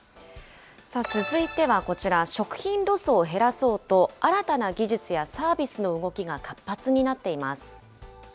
続いてはこちら、食品ロスを減らそうと、新たな技術やサービスの動きが活発になっています。